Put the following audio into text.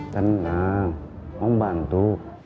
tenang om bantu